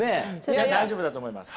大丈夫だと思います。